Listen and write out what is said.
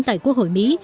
tại quốc hội mỹ